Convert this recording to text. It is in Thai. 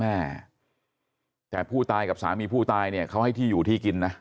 แม่แต่ผู้ตายกับสามีผู้ตายเนี่ยเขาให้ที่อยู่ที่กินนะ